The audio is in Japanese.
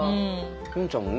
美音ちゃんもね